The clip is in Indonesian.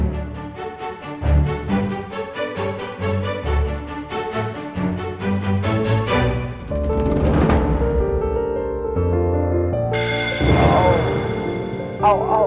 aku mau ke kamar